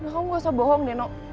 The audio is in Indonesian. kamu gak usah bohong deno